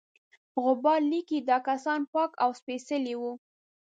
غبار لیکي دا کسان پاک او سپیڅلي وه.